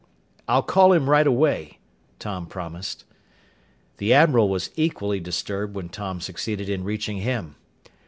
"I'll call him right away," Tom promised. The admiral was equally disturbed when Tom succeeded in reaching him.